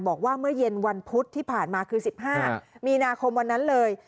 บอกว่าเมื่อเย็นวันพุธที่ผ่านมาคือ๑๕มีนาคมวันนั้นเลย